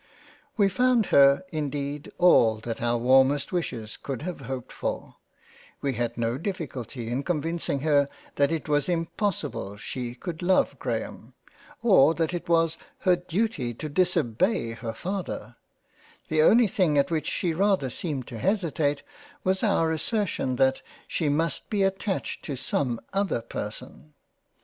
We found her indeed all that our warmest wishes could have hoped for ; we had no difficulty to convince her that it was impossible she could love Graham, or that it was her Duty to disobey her Father ; the only thing at which she rather seemed to hesitate was our assertion that she must be attached to some other Person.